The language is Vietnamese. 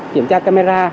kiểm tra camera